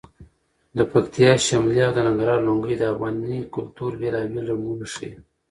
د پکتیا شملې او د ننګرهار لنګۍ د افغاني کلتور بېلابېل رنګونه ښیي.